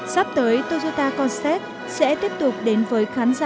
sắp tới toyota concep sẽ tiếp tục đến với khán giả